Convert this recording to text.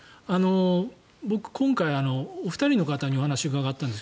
僕、今回お二人の方に話を伺ったんです。